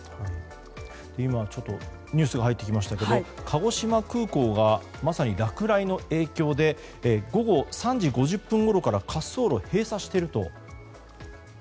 今、ニュースが入ってきましたけれども鹿児島空港がまさに落雷の影響で午後３時５０分ごろから滑走路を閉鎖していると。